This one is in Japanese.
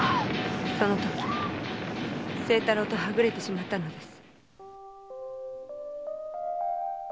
そのとき清太郎とはぐれてしまったのです。